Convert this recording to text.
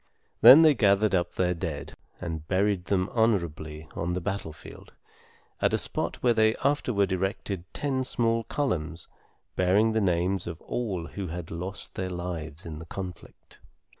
Then they gathered up their dead, and buried them honorably on the battlefield, at a spot where they afterward erected ten small columns bearing the names of all who had lost their lives in the conflict.